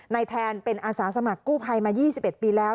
ในแทนเป็นอาสาสมัครกู้ภัยมายี่สิบเอ็ดปีแล้ว